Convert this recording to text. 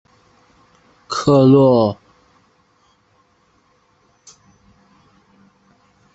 克雷洛夫子空间法通常和一个预条件算子和一个内牛顿迭代一起使用。